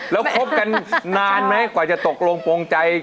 แล้วคบกันนานไหมกว่าจะตกลงโปรงใจ